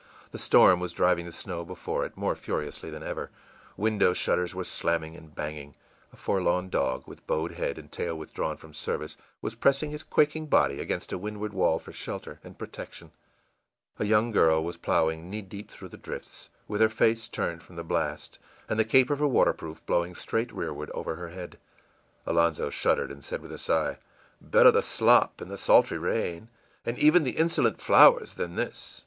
The storm was driving the snow before it more furiously than ever; window shutters were slamming and banging; a forlorn dog, with bowed head and tail withdrawn from service, was pressing his quaking body against a windward wall for shelter and protection; a young girl was plowing knee deep through the drifts, with her face turned from the blast, and the cape of her waterproof blowing straight rearward over her head. Alonzo shuddered, and said with a sigh, ìBetter the slop, and the sultry rain, and even the insolent flowers, than this!